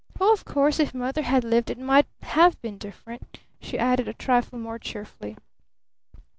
Oh, of course, if Mother had lived it might have been different," she added a trifle more cheerfully.